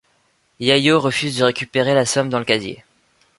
Yayo refuse de récupérer la somme dans le casier.